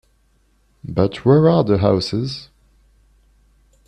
But where are the houses?